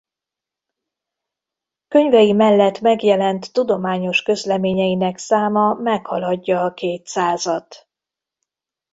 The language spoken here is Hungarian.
Könyvei mellett megjelent tudományos közleményeinek száma meghaladja a kétszázat.